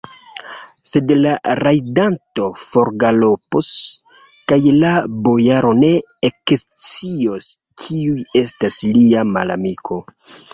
Sed la rajdanto forgalopos, kaj la bojaro ne ekscios, kiu estas lia malamiko.